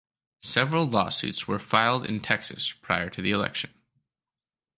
Several lawsuits were filed in Texas prior to the election.